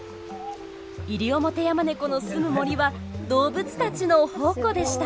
イリオモテヤマネコのすむ森は動物たちの宝庫でした。